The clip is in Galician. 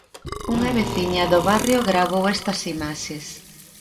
Unha veciña do barrio gravou estas imaxes.